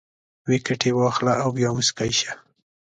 ویکټې واخله او بیا موسکی شه